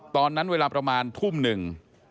ตอนนั้นเวลาประมาณทุ่มหนึ่ง